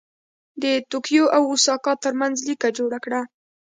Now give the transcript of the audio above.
د توکیو او اوساکا ترمنځ لیکه جوړه کړه.